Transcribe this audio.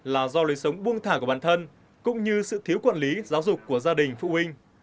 là do lời sống buông thả của bản thân cũng như sự thiếu quản lý giáo dục của gia đình phụ huynh